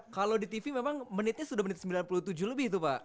kalau di tv memang menitnya sudah menit sembilan puluh tujuh lebih tuh pak